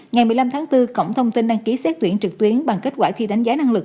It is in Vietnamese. ngày một mươi năm tháng bốn cổng thông tin đăng ký xét tuyển trực tuyến bằng kết quả thi đánh giá năng lực